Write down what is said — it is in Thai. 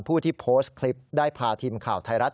ผู้ที่โพสต์คลิปได้พาทีมข่าวไทยรัฐ